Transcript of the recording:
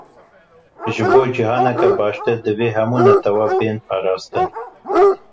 Ji bo cîhaneke baştir divê hemû netewe bên parastin.